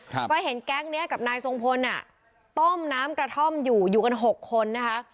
ครับก็เห็นแก๊งเนี้ยกับนายทรงพลอ่ะต้มน้ำกระท่อมอยู่อยู่กันหกคนนะคะ